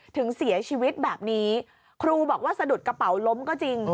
ถึงเสียชีวิตแบบนี้ครูบอกว่าสะดุดกระเป๋าล้มก็จริง